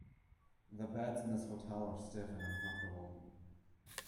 The beds in this hotel are stiff and uncomfortable.